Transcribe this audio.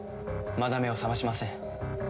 まだ目を覚ましません。